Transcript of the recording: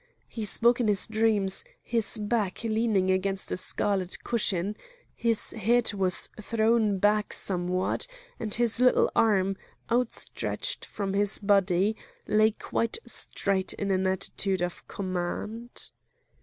He spoke in his dreams, his back leaning against a scarlet cushion; his head was thrown back somewhat, and his little arm, outstretched from his body, lay quite straight in an attitude of command.